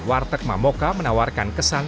warteg mamoka menawarkan kesan